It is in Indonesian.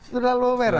sudah lampu merah